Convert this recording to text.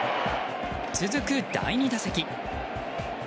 続く第２打席。